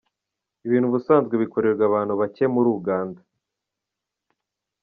Ibintu ubusanzwe bikorerwa abantu bake muri Uganda.